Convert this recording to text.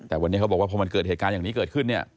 แต่วันนี้เขาบอกว่าพอมันเกิดเหตุการณ์อย่างนี้เกิดขึ้นเนี่ย